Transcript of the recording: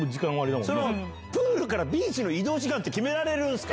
プールからビーチの移動時間って決められるんすか？